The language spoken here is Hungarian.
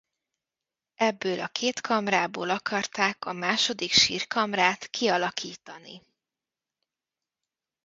Ebből a két kamrából akarták a második sírkamrát kialakítani.